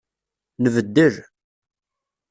Nbeddel.